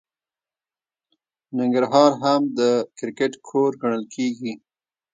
ننګرهار هم د کرکټ کور ګڼل کیږي.